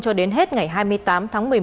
cho đến hết ngày hai mươi tám tháng một mươi một